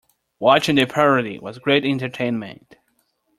Watching the parody was great entertainment.